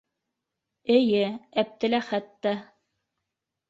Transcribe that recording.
Эйе, Әптеләхәт тә.